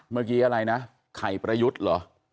เมื่อกี้อะไรนะไข่ประยุทธ์เหรอ